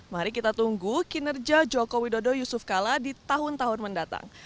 mari kita tunggu kinerja joko widodo yusuf kala di tahun tahun mendatang